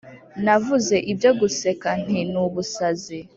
navuze ibyo guseka nti nu ubusazi